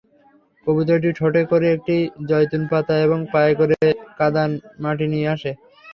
কবুতরটি ঠোঁটে করে একটি যয়তুন পাতা এবং পায়ে করে কিছু কাদা মাটি নিয়ে আসে।